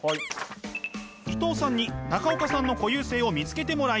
伊藤さんに中岡さんの固有性を見つけてもらいます。